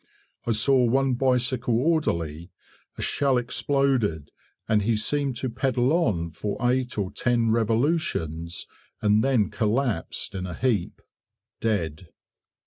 I saw one bicycle orderly: a shell exploded and he seemed to pedal on for eight or ten revolutions and then collapsed in a heap dead.